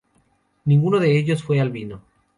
Ninguno de ellos fue albino.